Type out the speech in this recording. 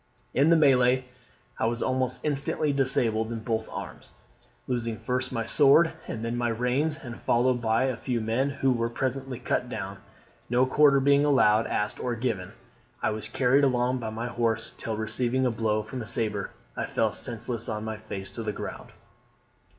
"In the MELEE I was almost instantly disabled in both arms, losing first my sword, and then my reins, and followed by a few men, who were presently cut down, no quarter being allowed, asked or given, I was carried along by my horse, till, receiving a blow from a sabre, I fell senseless on my face to the ground.